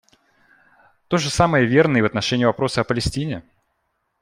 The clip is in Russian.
То же самое верно и в отношении вопроса о Палестине.